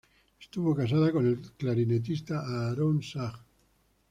Estuvo casada con el clarinetista Aaron Sachs.